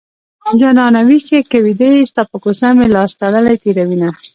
جانانه ويښ يې که ويده يې ستا په کوڅه مې لاس تړلی تېروينه